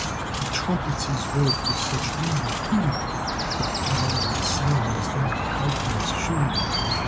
He trumpets his worth with such windy tooting That louder it sounds than cowboys shooting.